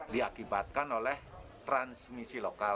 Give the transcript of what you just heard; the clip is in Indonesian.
diatibatkan oleh transmisi lokal